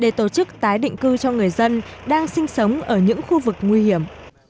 để tổ chức tái định cư cho người dân đang sinh sống ở những khu vực nguy hiểm